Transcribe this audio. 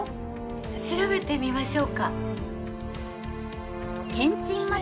調べてみましょうか。